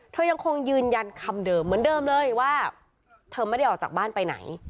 เธอยังคงยืนยันคำเดิมเหมือนเดิมเลยว่าเธอไม่ได้ออกจากบ้านไปไหน